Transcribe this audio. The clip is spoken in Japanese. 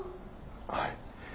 はい。